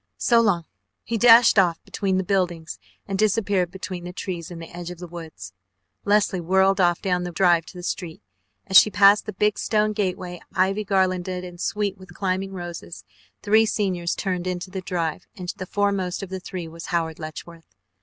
So long." He dashed off between the buildings and disappeared between the trees in the edge of the woods. Leslie whirled off down the drive to the street. As she passed the big stone gateway, ivy garlanded and sweet with climbing roses, three seniors turned into the drive, and the foremost of the three was Howard Letchworth.